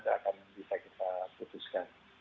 akan bisa kita putuskan